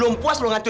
ibu mertua saya